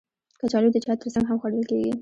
کچالو د چای ترڅنګ هم خوړل کېږي